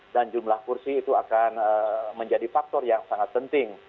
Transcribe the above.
dan jumlah kursi itu akan menjadi faktor yang sangat penting